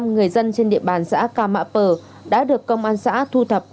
một trăm linh người dân trên địa bàn xã cao mã pờ đã được công an xã thu thập